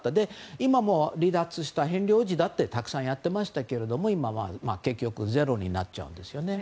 今も離脱したヘンリー王子だってたくさんやってましたけども今は結局ゼロになったんですね。